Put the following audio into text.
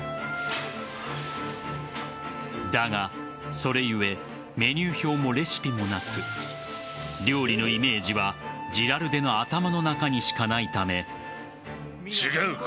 だが、それゆえメニュー表もレシピもなく料理のイメージはジラルデの頭の中にしかないため。